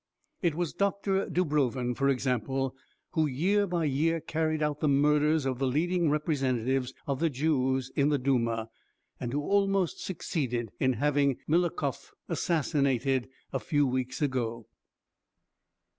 It was Dr. Dubrovin, for example, who year by year carried out the murders of the leading representatives of the Jews in the Duma and who almost succeeded in having Milukov assassinated a few weeks ago.